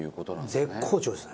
絶好調ですね！